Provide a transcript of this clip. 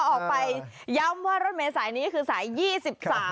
ออกไปย้ำว่ารถเมษายนี้คือสาย๒๓